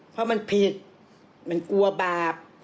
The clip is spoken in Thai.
เพราะมันผิดมันกลัวบาป